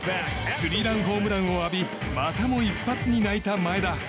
スリーランホームランを浴びまたも一発に泣いた前田。